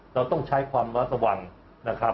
เราต้องใช้ความมาตะวันนะครับ